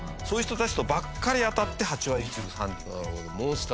そういう人たちとばっかり当たって８割１分３厘という。